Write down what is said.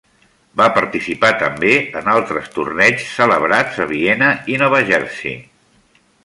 Va participar també en altres torneigs celebrats a Viena i Nova Jersey.